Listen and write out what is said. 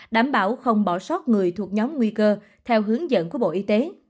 đảm bảo không bỏ sót người thuộc nhóm nguy cơ theo hướng dẫn của bộ y tế